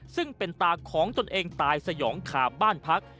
ซึ่งเป็นตาของตนเองตายสยองขาบบ้านพัก